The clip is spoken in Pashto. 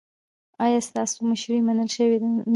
ایا ستاسو مشري منل شوې نه ده؟